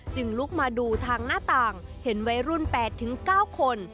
ลุกมาดูทางหน้าต่างเห็นวัยรุ่น๘๙คน